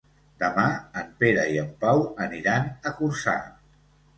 Demà en Pere i en Pau aniran a Corçà.